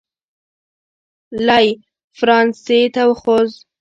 لی فرانسې ته وخوځېد.